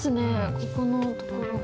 ここのところが。